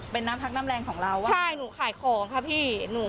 เป็นน้ำพักน้ำแรงของเราอ่ะใช่หนูขายของค่ะพี่